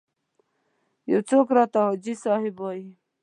یو څوک راته حاجي صاحب وایي.